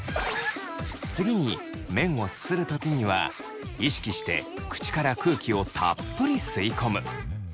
次に麺をすする時には意識して口から空気をたっぷり吸い込む。